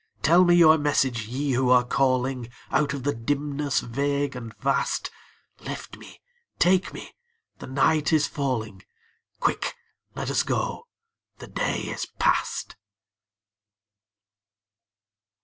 Tell me your message, Ye who are calling Out of the dimness vague and vast; Lift me, take me, the night is falling; Quick, let us go, the day is past.